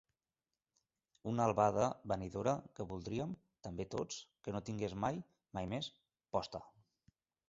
Una albada, venidora, que voldríem, també tots, que no tingués mai —mai més— posta.